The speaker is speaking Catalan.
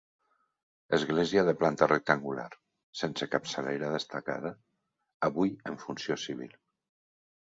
Església de planta rectangular, sense capçalera destacada, avui en funció civil.